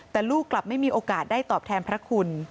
แต่ลูกกลับไม่มีโอกาสได้ตอบแทนพระคุณ